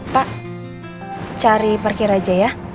pak cari parkir aja ya